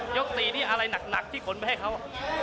๔นี่อะไรหนักที่ขนไปให้เขา